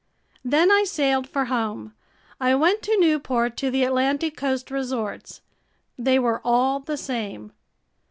Then I sailed for home. I went to Newport, to the Atlantic coast resorts. They were all the same.